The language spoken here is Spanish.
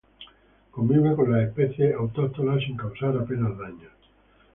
Convive con las especies autóctonas sin causar apenas daños.